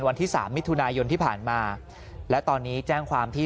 วันที่สามมิถุนายนที่ผ่านมาและตอนนี้แจ้งความที่